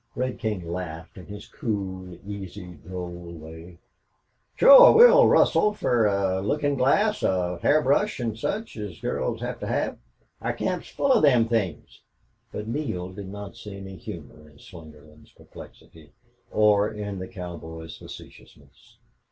Red King laughed in his cool, easy, droll way. "Shore, we'll rustle fer a lookin' glass, an' hair brush, an' such as girls hev to hev. Our camp is full of them things." But Neale did not see any humor in Slingerland's perplexity or in the cowboy's facetiousness.